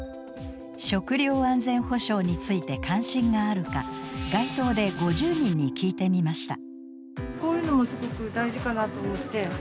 「食料安全保障」について関心があるか街頭で５０人に聞いてみました。